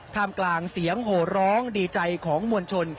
ทำกลางเสียงโหร้องดีใจของมวลชน